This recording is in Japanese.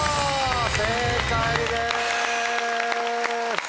正解です！